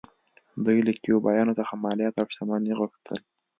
دوی له کیوبایانو څخه مالیات او شتمنۍ غوښتل